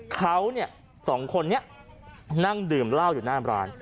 เขาเนี่ยสองคนนี้นั่งดื่มเหล้าอยู่หน้าร้าน